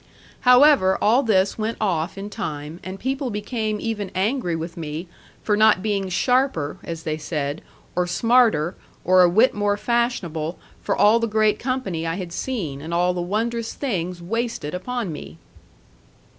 However, all this went off in time, and people became even angry with me for not being sharper (as they said), or smarter, or a whit more fashionable, for all the great company I had seen, and all the wondrous things wasted upon me.